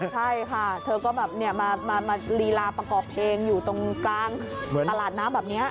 ใช่ค่ะเธอก็แบบมาลีลาประกอบเพลงอยู่ตรงกลางตลาดน้ำแบบนี้